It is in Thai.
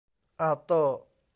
อัลโต้